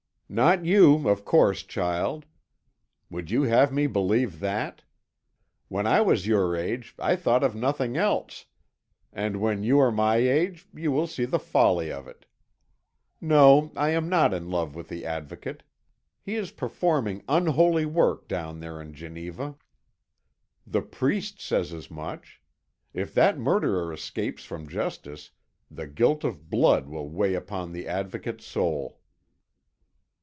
"Not you, of course, child would you have me believe that? When I was your age I thought of nothing else, and when you are my age you will see the folly of it. No, I am not in love with the Advocate. He is performing unholy work down there in Geneva. The priest says as much. If that murderer escapes from justice, the guilt of blood will weigh upon the Advocate's soul."